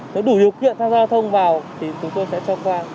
nếu đủ hiệu kiện tham gia thông vào thì chúng tôi sẽ cho qua